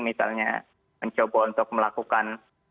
misalnya mencoba untuk melakukan